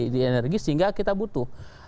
di energi sehingga kita butuh